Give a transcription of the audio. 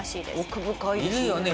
奥深いですね。